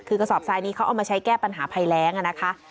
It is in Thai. คือกระสอบทรายนี้เขาเอามาใช้แก้ปัญหาภัยแรงนะคะ